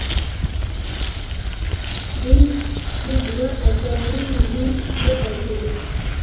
دې کې دوه اتیا نیم میلیونه یې ثابته ده